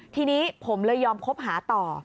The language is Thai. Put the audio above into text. ทีนี้ผมเลยยอมคบหาต่อ